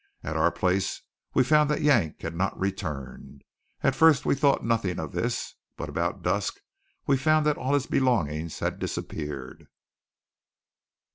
At our place we found that Yank had not returned. At first we thought nothing of this; but about dusk we found that all his belongings had disappeared.